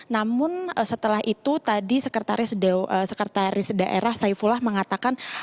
namun setelah itu tadi sekretaris daerah saifullah mengatakan